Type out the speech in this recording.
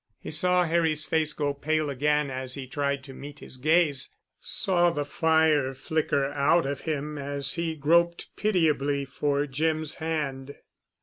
He saw Harry's face go pale again as he tried to meet his gaze, saw the fire flicker out of him, as he groped pitiably for Jim's hand.